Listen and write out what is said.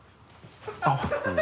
あっ。